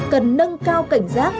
cần nâng cao cảnh giác